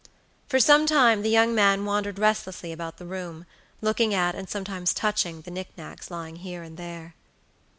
For some time the young man wandered restlessly about the room, looking at and sometimes touching the nick nacks lying here and there.